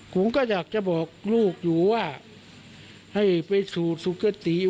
ผมก็อยากจะบอกลูกอยู่ว่าให้ไปสู่สุขติ